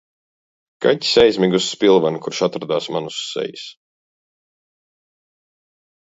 Kaķis aizmiga uz spilvena, kurš atradās man uz sejas.